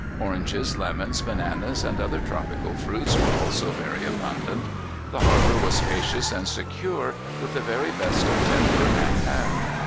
Oranges, lemons, bananas, and other tropical fruits were also very abundant. The harbor was spacious and secure, with the very best of timber at hand.